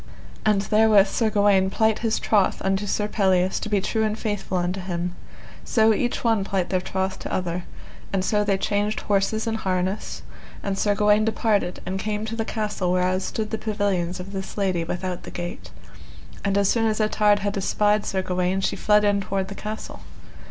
And therewith Sir Gawaine plight his troth unto Sir Pelleas to be true and faithful unto him; so each one plight their troth to other, and so they changed horses and harness, and Sir Gawaine departed, and came to the castle whereas stood the pavilions of this lady without the gate. And as soon as Ettard had espied Sir Gawaine she fled in toward the castle.